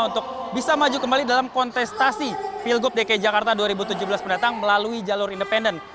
untuk bisa maju kembali dalam kontestasi pilgub dki jakarta dua ribu tujuh belas mendatang melalui jalur independen